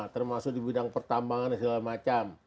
termasuk di bidang pertambangan segala macam